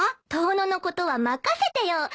遠野のことは任せてよ。